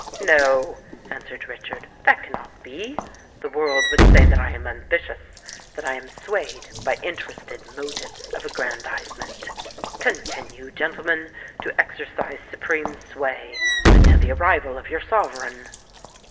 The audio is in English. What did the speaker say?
"No," answered Richard: "that cannot be. The world would say that I am ambitious—that I am swayed by interested motives of aggrandizement. Continue, gentlemen, to exercise supreme sway, until the arrival of your sovereign."